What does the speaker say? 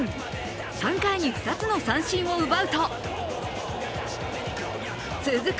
３回に２つの三振を奪うと続く